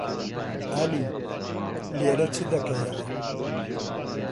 ئەلی! لێرە چ دەکەیەوە؟